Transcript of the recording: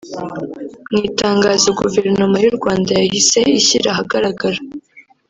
Mu itangazo Guverinoma y’u Rwanda yahise ishyira ahagaragara